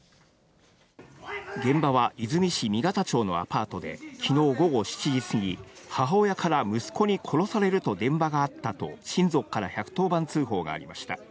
現場は和泉市箕形町のアパートで、きのう午後７時過ぎ、母親から息子に殺されると電話があったと、親族から１１０番通報がありました。